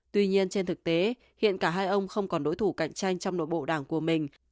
tuy nhiên trên thực tế hiện cả hai ông không còn đối thủ cạnh tranh trong nội bộ đảng của mình